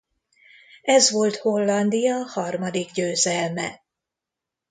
Ez volt Hollandia harmadik győzelme.